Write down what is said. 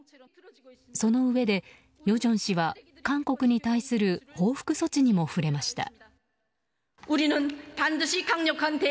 そのうえで与正氏は韓国に対する報復措置にも触れました。